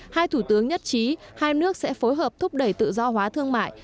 hai thủ tướng nhất trí hai nước sẽ phối hợp thúc đẩy tự do hóa thương mại